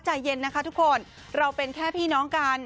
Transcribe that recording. ใจเย็นนะคะทุกคนเราเป็นแค่พี่น้องกัน